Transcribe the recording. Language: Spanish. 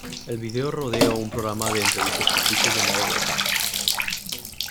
El video rodea un programa de entrevistas ficticio llamado "Wake Up!